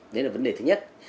đó là vấn đề thứ nhất